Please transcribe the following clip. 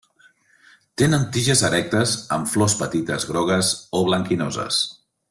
Tenen tiges erectes amb flors petites grogues o blanquinoses.